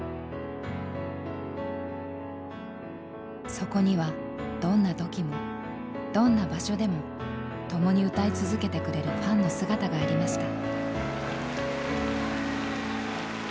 そこにはどんな時もどんな場所でも共に歌い続けてくれるファンの姿がありました。